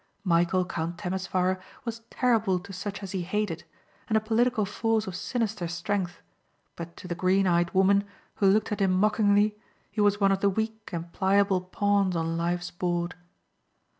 Michæl, Count Temesvar, was terrible to such as he hated, and a political force of sinister strength, but to the green eyed woman who looked at him mockingly he was one of the weak and pliable pawns on life's board.